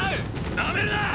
なめるな！